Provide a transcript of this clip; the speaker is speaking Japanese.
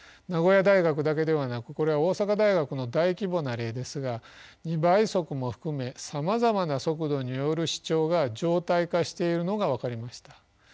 名古屋大学だけではなくこれは大阪大学の大規模な例ですが２倍速も含めさまざまな速度による視聴が常態化しているのが分かりました。